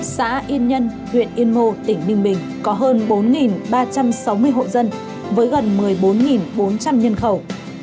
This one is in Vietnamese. xã yên nhân huyện yên mô tỉnh ninh bình có hơn bốn ba trăm sáu mươi hộ dân với gần một mươi bốn bốn trăm linh nhân khẩu